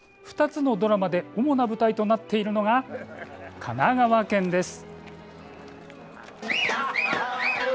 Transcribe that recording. ２つのドラマで主な舞台となっているのが神奈川県です。